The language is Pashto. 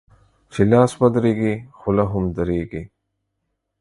چي لاس و درېږي ، خوله هم درېږي.